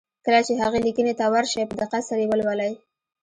کله چې هغې ليکنې ته ور شئ په دقت سره يې ولولئ.